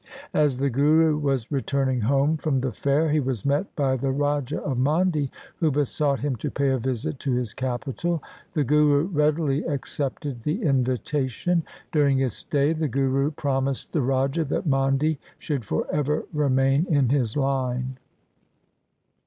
As the Guru was returning home from the fair, he was met by the Raja of Mandi who besought him to pay a visit to his capital The Guru readily accepted the invitation. During his stay the Guru LIFE OF GURU GOBIND SINGH 147 promised the raja that Mandi should for ever remain in his line.